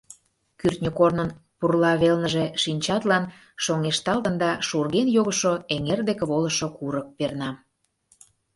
Кӱртньӧ корнын пурла велныже шинчатлан шоҥешталтын да шурген йогышо эҥер деке волышо курык перна.